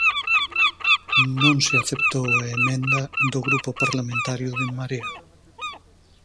Non se aceptou a emenda do Grupo Parlamentario de En Marea.